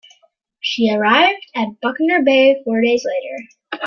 She arrived at Buckner Bay four days later.